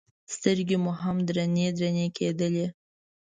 سترګې مو هم درنې درنې کېدلې.